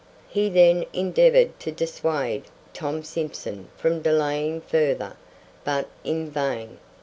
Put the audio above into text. He then endeavored to dissuade Tom Simson from delaying further, but in vain.